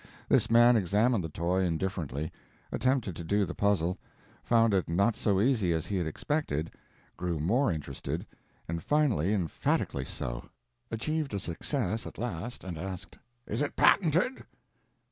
This man examined the toy indifferently; attempted to do the puzzle; found it not so easy as he had expected; grew more interested, and finally emphatically so; achieved a success at last, and asked: "Is it patented?"